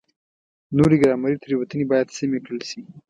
نورې ګرامري تېروتنې باید سمې کړل شي.